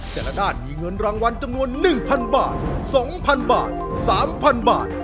แต่ละด้านมีเงินรางวัลจำนวน๑๐๐บาท๒๐๐บาท๓๐๐บาท